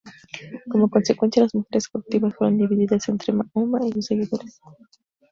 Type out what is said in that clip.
Como consecuencia, las mujeres cautivas fueron divididas entre Mahoma y sus seguidores.